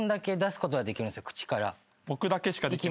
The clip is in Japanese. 僕だけしかできない。